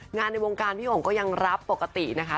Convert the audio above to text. ในวงการพี่หงก็ยังรับปกตินะคะ